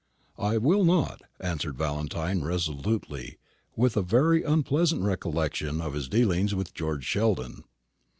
"I will not," answered Valentine resolutely, with a very unpleasant recollection of his dealings with George Sheldon.